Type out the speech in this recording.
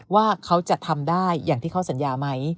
ว่าเขาจะทำได้อย่างที่เขาสัญญาไหม